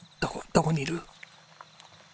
どこにいる？